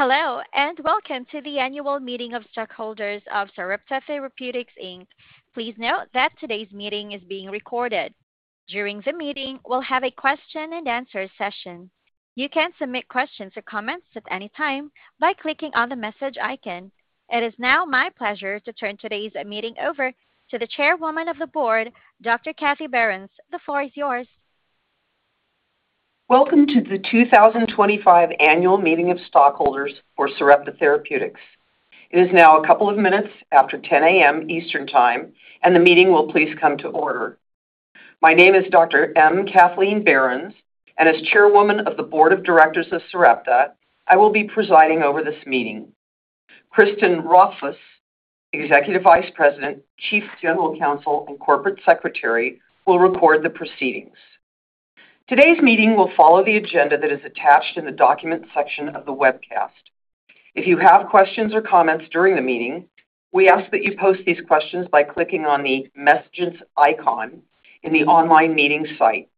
Hello, and welcome to the annual meeting of stakeholders of Sarepta Therapeutics. Please note that today's meeting is being recorded. During the meeting, we'll have a question-and-answer session. You can submit questions or comments at any time by clicking on the message icon. It is now my pleasure to turn today's meeting over to the Chairwoman of the Board, M. Kathleen Barrons, Ph.D. The floor is yours. Welcome to the 2025 annual meeting of stakeholders for Sarepta Therapeutics. It is now a couple of minutes after 10:00 A.M. Eastern Time, and the meeting will please come to order. My name is Dr. M. Kathleen Barrons, and as Chairwoman of the Board of Directors of Sarepta, I will be presiding over this meeting. Cristin Rothfus, Executive Vice President, Chief General Counsel, and Corporate Secretary, will record the proceedings. Today's meeting will follow the agenda that is attached in the document section of the webcast. If you have questions or comments during the meeting, we ask that you post these questions by clicking on the message icon in the online meeting site.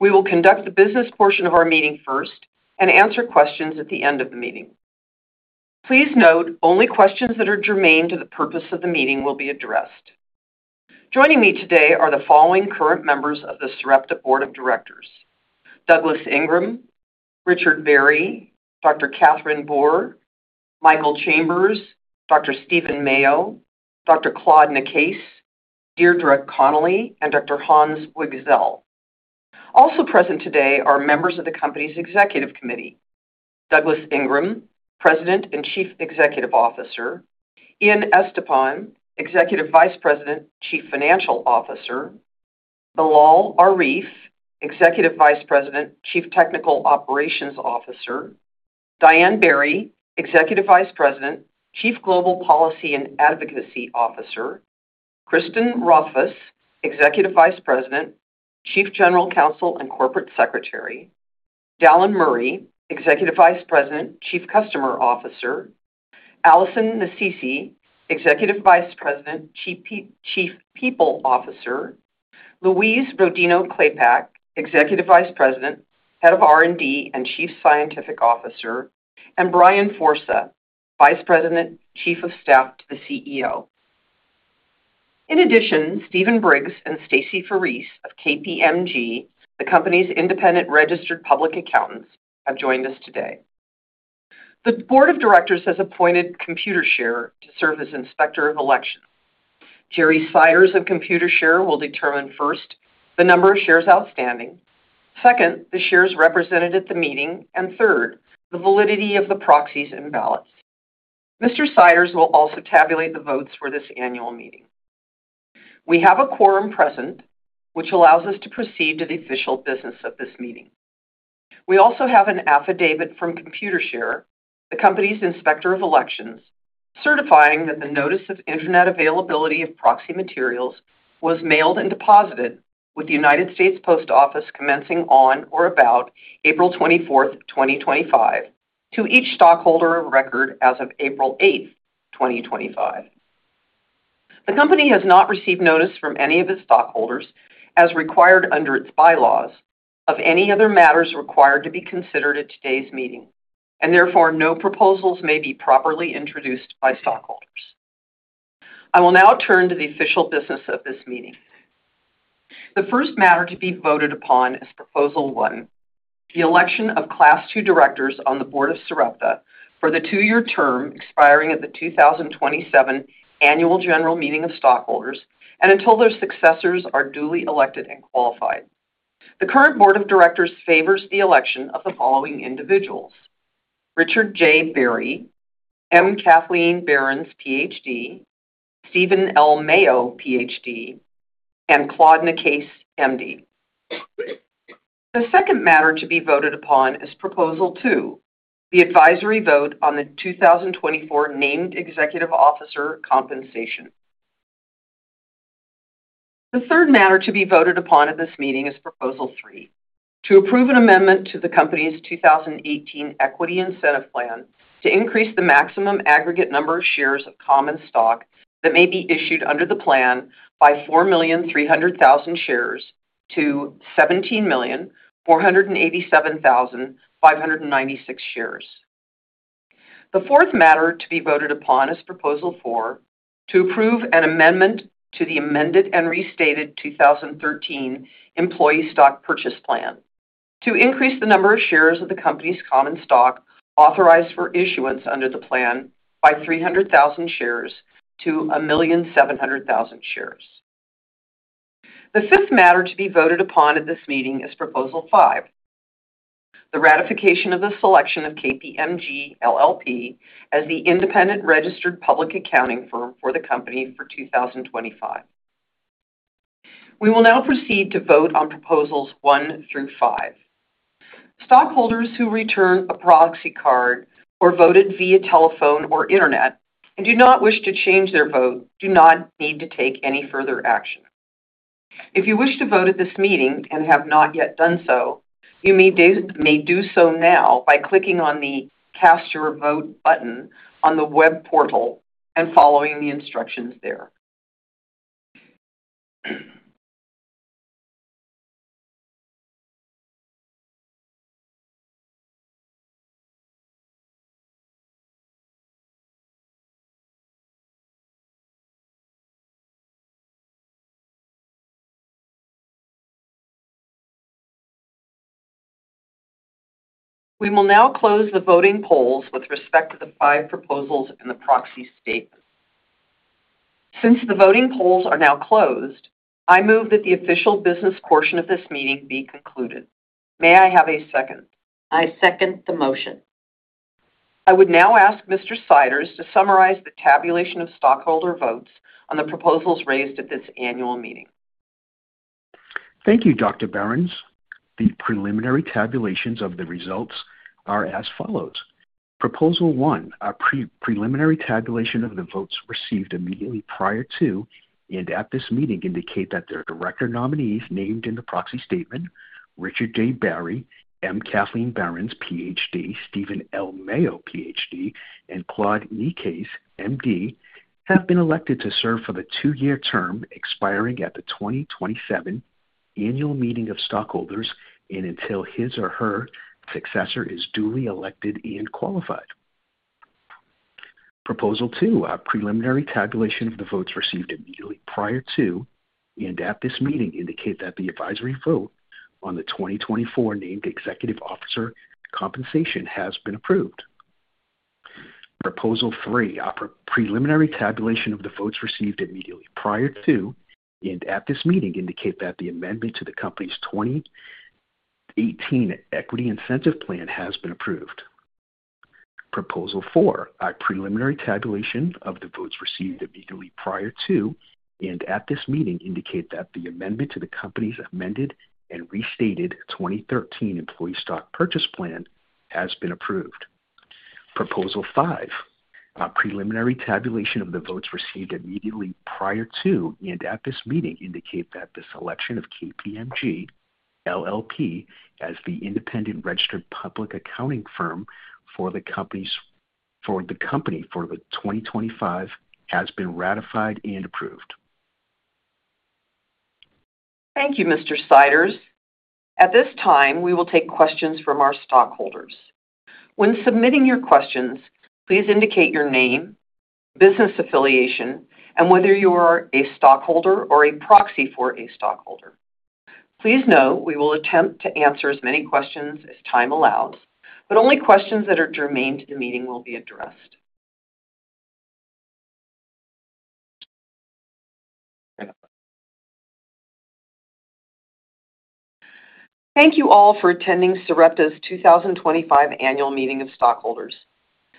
We will conduct the business portion of our meeting first and answer questions at the end of the meeting. Please note only questions that are germane to the purpose of the meeting will be addressed. Joining me today are the following current members of the Sarepta Board of Directors: Douglas Ingram, Richard Barry, Dr. Kathryn Boer, Michael Chambers, Dr. Stephen Mayo, Dr. Claude Nicaise, Deirdre Connelly, and Dr. Hans Wigzell. Also present today are members of the company's executive committee: Douglas Ingram, President and Chief Executive Officer; Ian Estepan, Executive Vice President, Chief Financial Officer; Bilal Arif, Executive Vice President, Chief Technical Operations Officer; Diane Barry, Executive Vice President, Chief Global Policy and Advocacy Officer; Cristin Rothfus, Executive Vice President, Chief General Counsel, and Corporate Secretary; Dallan Murray, Executive Vice President, Chief Customer Officer; Alison Nasisi, Executive Vice President, Chief People Officer; Louise Rodino-Klapac, Executive Vice President, Head of R&D and Chief Scientific Officer; and Brian Forsa, Vice President, Chief of Staff to the CEO. In addition, Stephen Briggs and Stacy Farese of KPMG, the company's independent registered public accountants, have joined us today. The Board of Directors has appointed Computershare to serve as Inspector of Elections. Jerry Seiders of Computershare will determine first, the number of shares outstanding; second, the shares represented at the meeting; and third, the validity of the proxies and ballots. Mr. Seiders will also tabulate the votes for this annual meeting. We have a quorum present, which allows us to proceed to the official business of this meeting. We also have an affidavit from Computershare, the company's Inspector of Elections, certifying that the notice of internet availability of proxy materials was mailed and deposited, with the United States Post Office commencing on or about April 24, 2025, to each stockholder of record as of April 8, 2025. The company has not received notice from any of its stockholders, as required under its bylaws, of any other matters required to be considered at today's meeting, and therefore no proposals may be properly introduced by stockholders. I will now turn to the official business of this meeting. The first matter to be voted upon is Proposal 1: the election of Class 2 Directors on the Board of Sarepta for the two-year term expiring at the 2027 annual general meeting of stockholders and until their successors are duly elected and qualified. The current Board of Directors favors the election of the following individuals: Richard J. Barry, M. Kathleen Barrons, Ph.D., Stephen L. Mayo, Ph.D., and Claude Nicaise, M.D. The second matter to be voted upon is Proposal 2: the advisory vote on the 2024 Named Executive Officer Compensation. The third matter to be voted upon at this meeting is Proposal 3: to approve an amendment to the company's 2018 Equity Incentive Plan to increase the maximum aggregate number of shares of common stock that may be issued under the plan by 4,300,000 shares to 17,487,596 shares. The fourth matter to be voted upon is Proposal 4: to approve an amendment to the amended and restated 2013 Employee Stock Purchase Plan to increase the number of shares of the company's common stock authorized for issuance under the plan by 300,000 shares to 1,700,000 shares. The fifth matter to be voted upon at this meeting is Proposal 5: the ratification of the selection of KPMG LLP as the independent registered public accounting firm for the company for 2025. We will now proceed to vote on Proposals 1 through 5. Stockholders who return a proxy card or voted via telephone or internet and do not wish to change their vote do not need to take any further action. If you wish to vote at this meeting and have not yet done so, you may do so now by clicking on the Cast Your Vote button on the web portal and following the instructions there. We will now close the voting polls with respect to the five proposals and the proxy statement. Since the voting polls are now closed, I move that the official business portion of this meeting be concluded. May I have a second? I second the motion. I would now ask Mr. Seiders to summarize the tabulation of stockholder votes on the proposals raised at this annual meeting. Thank you, Dr. Barrons. The preliminary tabulations of the results are as follows: Proposal 1: a preliminary tabulation of the votes received immediately prior to and at this meeting indicate that the director nominees named in the proxy statement, Richard J. Barry, M. Kathleen Barrons, Ph.D., Stephen L. Mayo, Ph.D., and Claude Nicaise, M.D., have been elected to serve for the two-year term expiring at the 2027 annual meeting of stockholders and until his or her successor is duly elected and qualified. Proposal 2: a preliminary tabulation of the votes received immediately prior to and at this meeting indicate that the advisory vote on the 2024 named executive officer compensation has been approved. Proposal 3: a preliminary tabulation of the votes received immediately prior to and at this meeting indicate that the amendment to the company's 2018 equity incentive plan has been approved. Proposal 4: A preliminary tabulation of the votes received immediately prior to and at this meeting indicate that the amendment to the company's amended and restated 2013 Employee Stock Purchase Plan has been approved. Proposal 5: A preliminary tabulation of the votes received immediately prior to and at this meeting indicate that the selection of KPMG LLP as the independent registered public accounting firm for the company for 2025 has been ratified and approved. Thank you, Mr. Seiders. At this time, we will take questions from our stockholders. When submitting your questions, please indicate your name, business affiliation, and whether you are a stockholder or a proxy for a stockholder. Please know we will attempt to answer as many questions as time allows, but only questions that are germane to the meeting will be addressed. Thank you all for attending Sarepta's 2025 annual meeting of stockholders.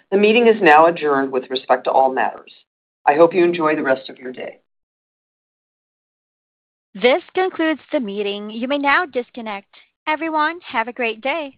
The meeting is now adjourned with respect to all matters. I hope you enjoy the rest of your day. This concludes the meeting. You may now disconnect. Everyone, have a great day.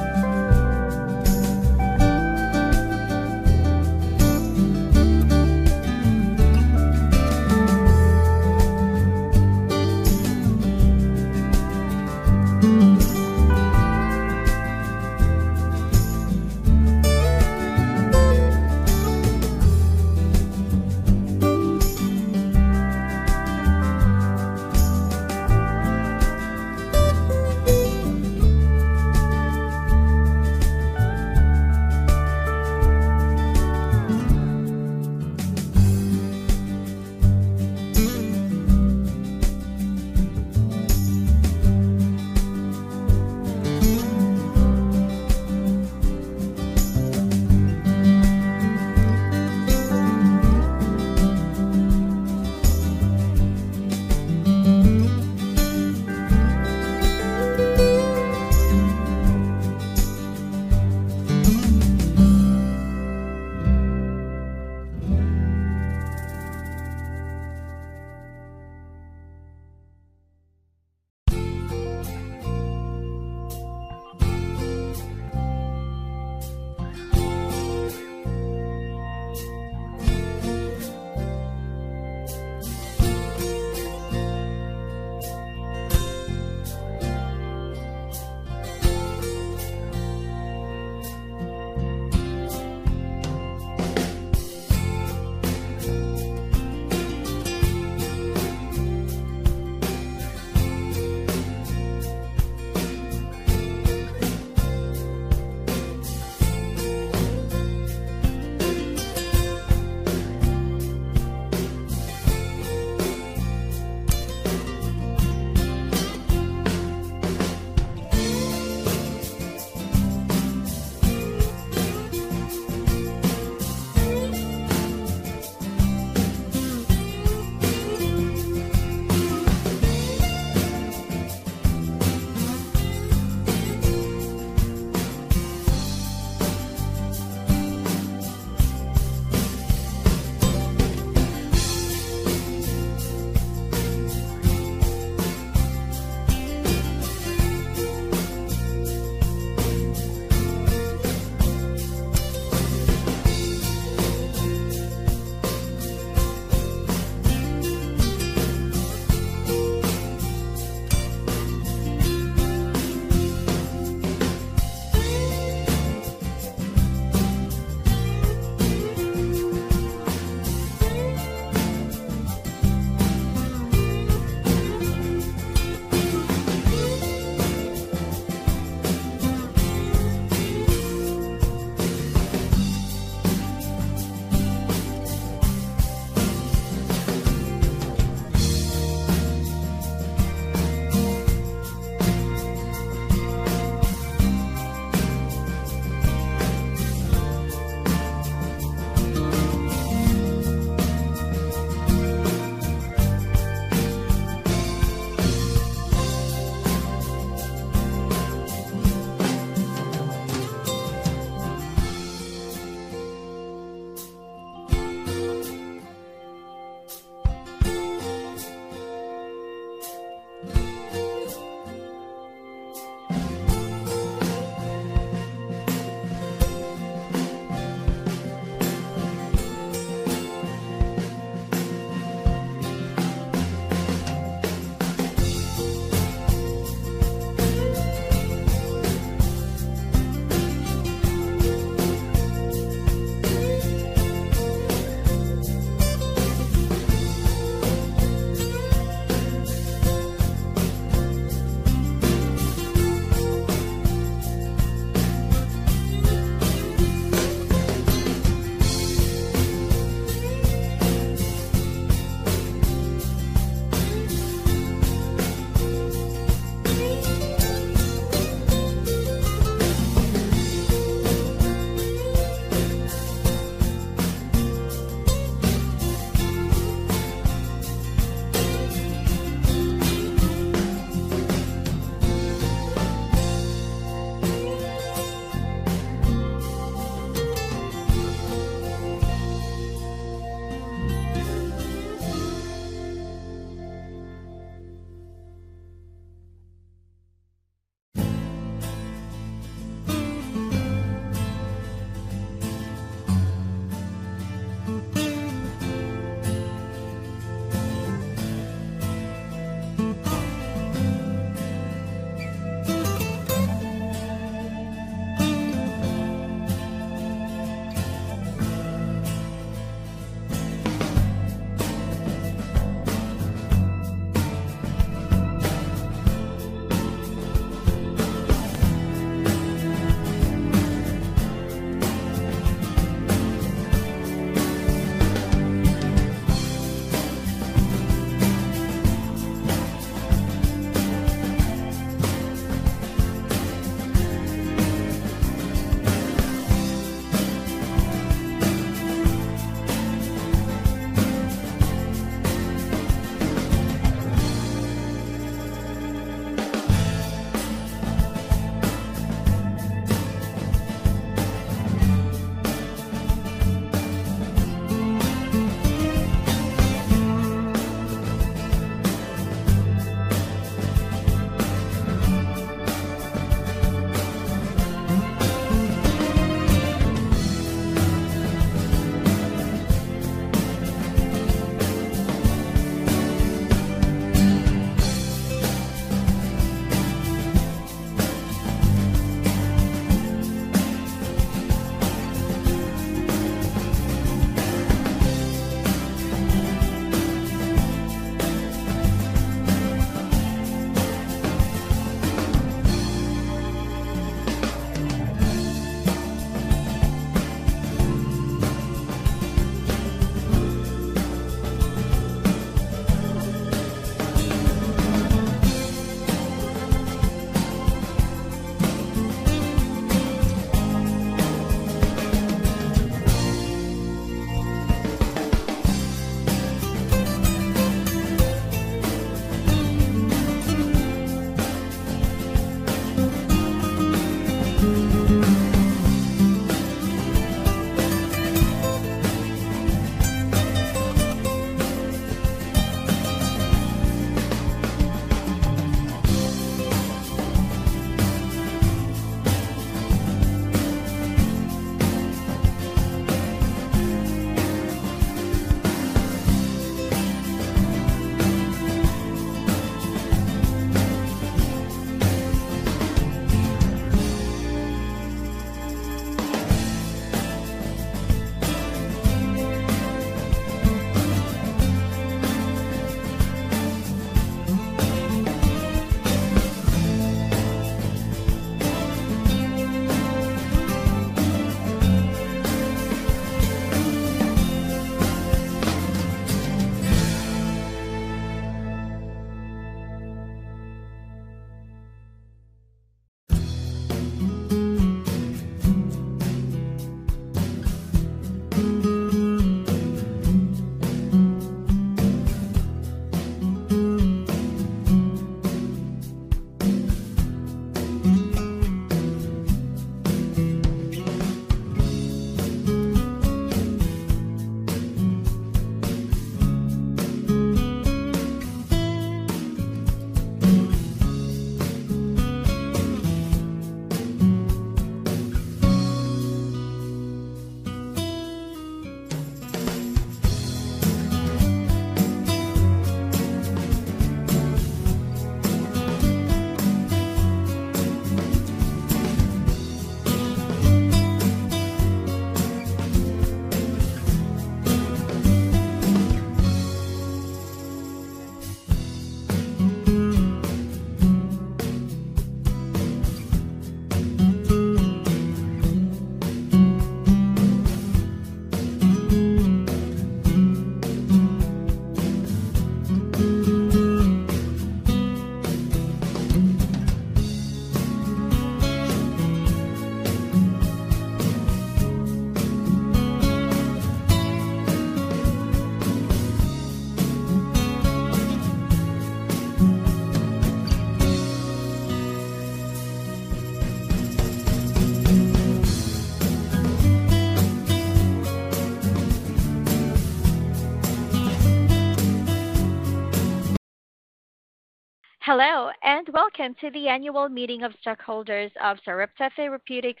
Hello and welcome to the annual meeting of stockholders of Sarepta Therapeutics.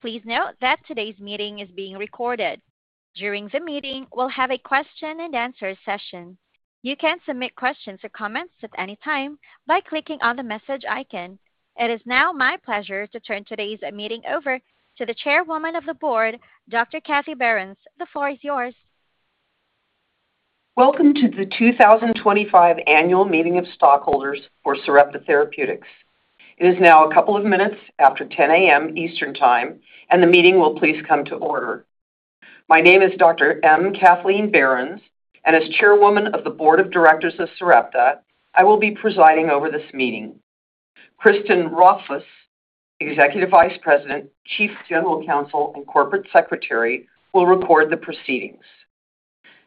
Please note that today's meeting is being recorded. During the meeting, we'll have a question and answer session. You can submit questions or comments at any time by clicking on the message icon. It is now my pleasure to turn today's meeting over to the Chairwoman of the Board, M. Kathleen Barrons, Ph.D. The floor is yours. Welcome to the 2025 annual meeting of stockholders for Sarepta Therapeutics. It is now a couple of minutes after 10:00 A.M. Eastern Time, and the meeting will please come to order. My name is Dr. M. Kathleen Barrons, and as Chairwoman of the Board of Directors of Sarepta, I will be presiding over this meeting. Kristine Rothfus, Executive Vice President, Chief General Counsel, and Corporate Secretary, will record the proceedings.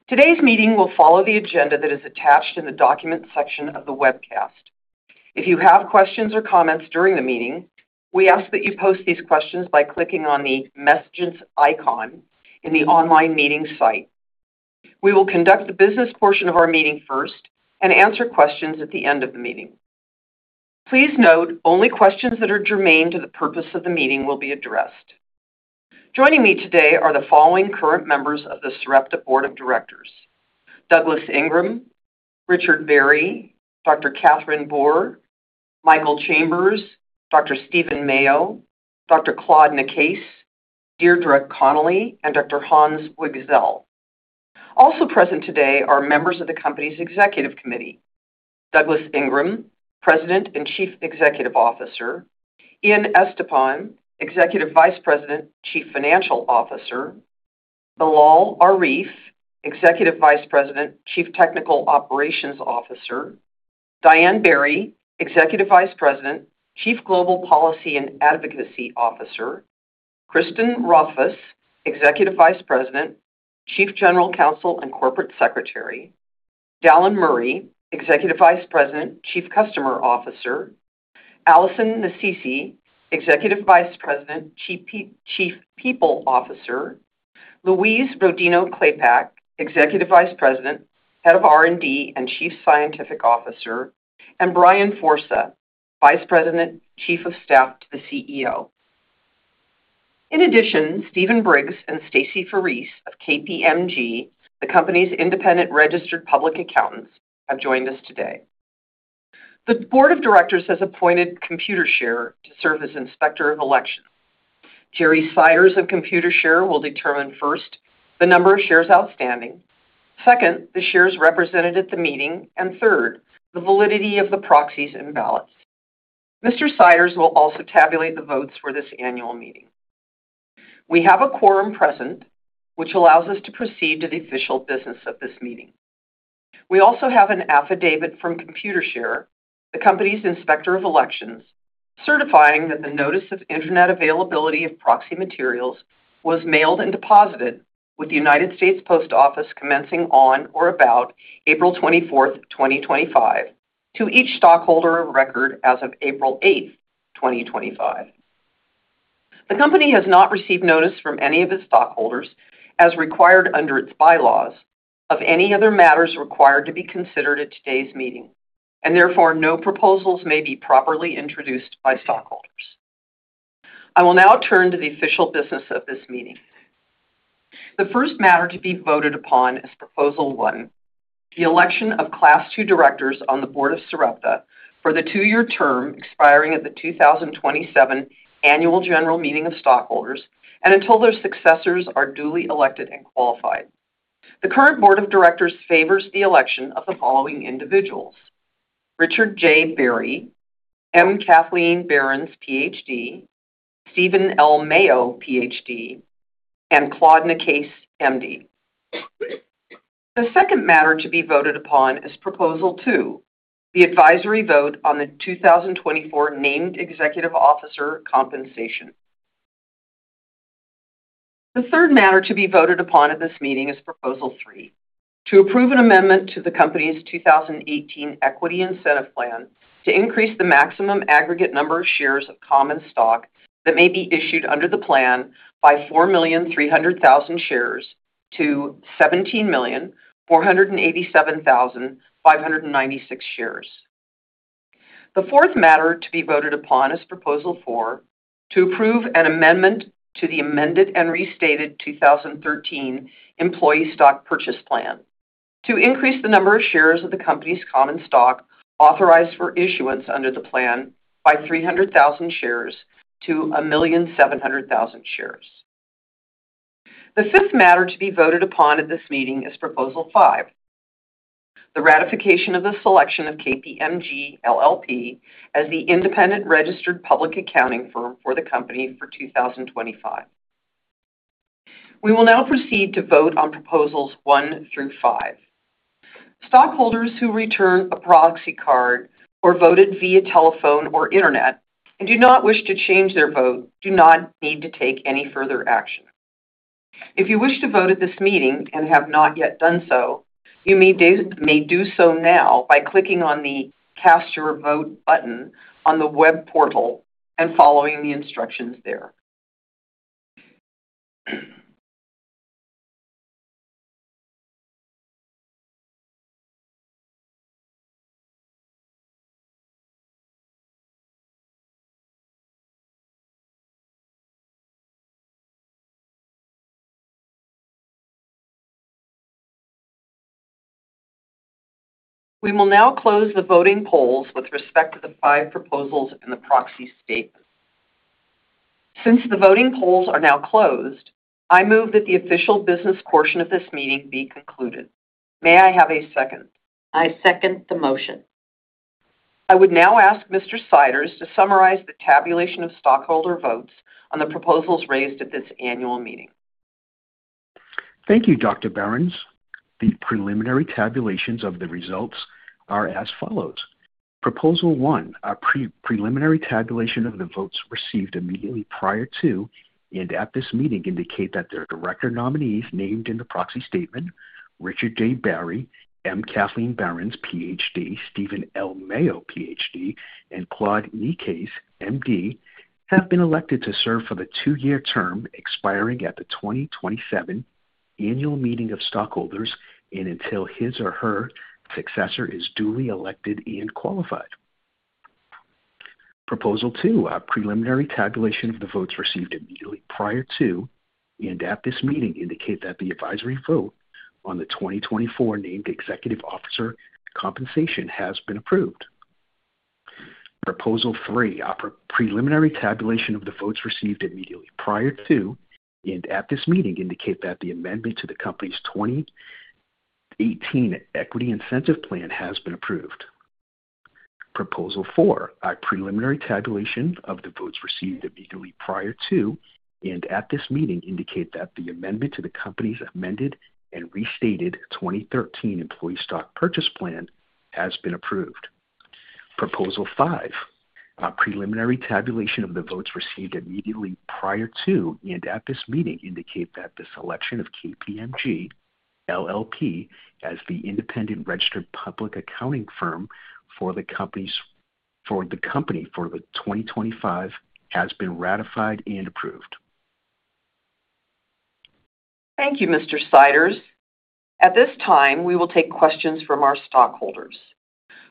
Today's meeting will follow the agenda that is attached in the document section of the webcast. If you have questions or comments during the meeting, we ask that you post these questions by clicking on the message icon in the online meeting site. We will conduct the business portion of our meeting first and answer questions at the end of the meeting. Please note only questions that are germane to the purpose of the meeting will be addressed. Joining me today are the following current members of the Sarepta Board of Directors: Douglas Ingram, Richard Barry, Dr. Kathryn Boer, Michael Chambers, Dr. Stephen Mayo, Dr. Claude Nicaise, Deirdre Connelly, and Dr. Hans Wigzell. Also present today are members of the company's executive committee: Douglas Ingram, President and Chief Executive Officer; Ian Estepan, Executive Vice President, Chief Financial Officer; Bilal Arif, Executive Vice President, Chief Technical Operations Officer; Diane Barry, Executive Vice President, Chief Global Policy and Advocacy Officer; Cristin Rothfus, Executive Vice President, Chief General Counsel and Corporate Secretary; Dallan Murray, Executive Vice President, Chief Customer Officer; Alison Nasisi, Executive Vice President, Chief People Officer; Louise Rodino-Klapac, Executive Vice President, Head of R&D and Chief Scientific Officer; and Brian Forsa, Vice President, Chief of Staff to the CEO. In addition, Stephen Briggs and Stacy Farese of KPMG, the company's independent registered public accountants, have joined us today. The Board of Directors has appointed Computershare to serve as Inspector of Elections. Jerry Seiders of Computershare will determine first, the number of shares outstanding; second, the shares represented at the meeting; and third, the validity of the proxies and ballots. Mr. Seiders will also tabulate the votes for this annual meeting. We have a quorum present, which allows us to proceed to the official business of this meeting. We also have an affidavit from Computershare, the company's Inspector of Elections, certifying that the notice of internet availability of proxy materials was mailed and deposited, with the United States Post Office commencing on or about April 24, 2025, to each stockholder of record as of April 8, 2025. The company has not received notice from any of its stockholders, as required under its bylaws, of any other matters required to be considered at today's meeting, and therefore no proposals may be properly introduced by stockholders. I will now turn to the official business of this meeting. The first matter to be voted upon is Proposal One: the election of Class 2 Directors on the Board of Sarepta for the two-year term expiring at the 2027 annual general meeting of stockholders and until their successors are duly elected and qualified. The current Board of Directors favors the election of the following individuals: Richard J. Barry, M. Kathleen Barrons, Ph.D., Stephen L. Mayo, Ph.D., and Claude Nicaise, M.D. The second matter to be voted upon is Proposal Two: the advisory vote on the 2024 Named Executive Officer Compensation. The third matter to be voted upon at this meeting is Proposal Three: to approve an amendment to the company's 2018 Equity Incentive Plan to increase the maximum aggregate number of shares of common stock that may be issued under the plan by 4,300,000 shares to 17,487,596 shares. The fourth matter to be voted upon is Proposal Four: to approve an amendment to the amended and restated 2013 Employee Stock Purchase Plan to increase the number of shares of the company's common stock authorized for issuance under the plan by 300,000 shares to 1,700,000 shares. The fifth matter to be voted upon at this meeting is Proposal Five: the ratification of the selection of KPMG LLP as the independent registered public accounting firm for the company for 2025. We will now proceed to vote on Proposals One through Five. Stockholders who return a proxy card or voted via telephone or internet and do not wish to change their vote do not need to take any further action. If you wish to vote at this meeting and have not yet done so, you may do so now by clicking on the Cast Your Vote button on the web portal and following the instructions there. We will now close the voting polls with respect to the five proposals and the proxy statements. Since the voting polls are now closed, I move that the official business portion of this meeting be concluded. May I have a second? I second the motion. I would now ask Mr. Seiders to summarize the tabulation of stockholder votes on the proposals raised at this annual meeting. Thank you, Dr. Barrons. The preliminary tabulations of the results are as follows: Proposal One: a preliminary tabulation of the votes received immediately prior to and at this meeting indicate that the director nominees named in the proxy statement, Richard J. Barry, M. Kathleen Barrons, Ph.D., Stephen L. Mayo, Ph.D., and Claude Nicaise, M.D., have been elected to serve for the two-year term expiring at the 2027 annual meeting of stockholders and until his or her successor is duly elected and qualified. Proposal Two: a preliminary tabulation of the votes received immediately prior to and at this meeting indicate that the advisory vote on the 2024 named executive officer compensation has been approved. Proposal Three: a preliminary tabulation of the votes received immediately prior to and at this meeting indicate that the amendment to the company's 2018 Equity Incentive Plan has been approved. Proposal Four: a preliminary tabulation of the votes received immediately prior to and at this meeting indicate that the amendment to the company's amended and restated 2013 Employee Stock Purchase Plan has been approved. Proposal Five: a preliminary tabulation of the votes received immediately prior to and at this meeting indicate that the selection of KPMG LLP as the independent registered public accounting firm for the company for 2025 has been ratified and approved. Thank you, Mr. Seiders. At this time, we will take questions from our stockholders.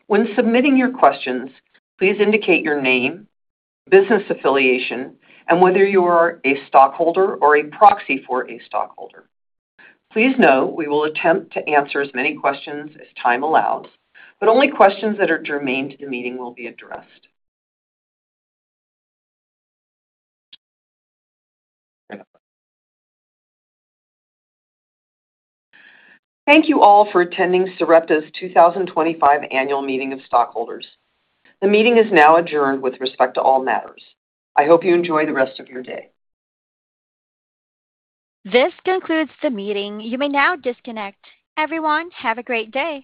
When submitting your questions, please indicate your name, business affiliation, and whether you are a stockholder or a proxy for a stockholder. Please know we will attempt to answer as many questions as time allows, but only questions that are germane to the meeting will be addressed. Thank you all for attending Sarepta's 2025 annual meeting of stockholders. The meeting is now adjourned with respect to all matters. I hope you enjoy the rest of your day. This concludes the meeting. You may now disconnect. Everyone, have a great day.